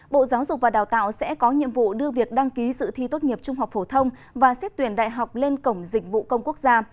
bộ giáo dục và đào tạo sẽ có nhiệm vụ đưa việc đăng ký sự thi tốt nghiệp trung học phổ thông và xét tuyển đại học lên cổng dịch vụ công quốc gia